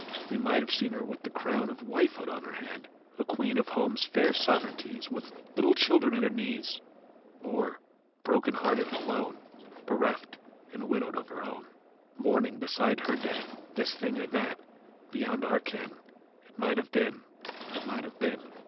We might have seen her with the crown Of wifehood on her head, A queen of home s fair sovereignties, With little children at her knees ; Or, broken hearted and alone, Bereft and widowed of her own, Mourning beside her dead, This thing or that, beyond our ken, It might have been, it might have been.